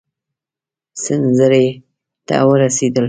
سنځري ته ورسېدلو.